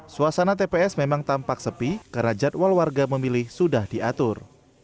suasana tps memang tampak sepi karena jadwal warga memilih sudah diatur